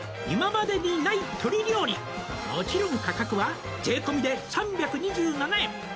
今までにない鶏料理」「もちろん価格は税込で３２７円」